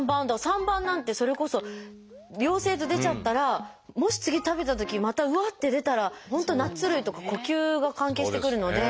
３番なんてそれこそ陽性と出ちゃったらもし次食べたときまたうわって出たら本当ナッツ類とか呼吸が関係してくるので。